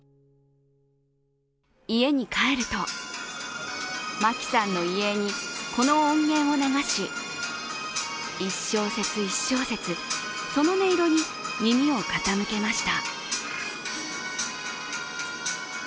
家に帰ると、真樹さんの遺影にこの音源を流し１小節、１小節、その音色に耳を傾けました。